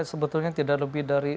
sebetulnya tidak lebih dari